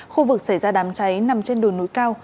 khu vực xảy ra đám cháy nằm trên đồi núi cao